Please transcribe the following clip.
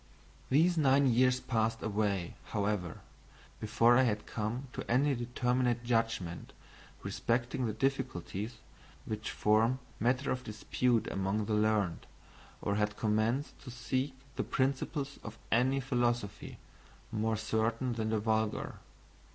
These nine years passed away, however, before I had come to any determinate judgment respecting the difficulties which form matter of dispute among the learned, or had commenced to seek the principles of any philosophy more certain than the vulgar.